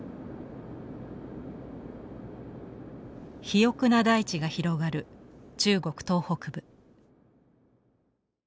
肥沃な大地が広がる中国東北部。